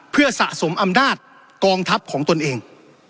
เพื่อสะสมอำนาจกองทัพของตนเอง